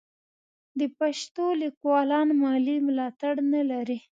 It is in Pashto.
د پښتو لیکوالان مالي ملاتړ نه لري.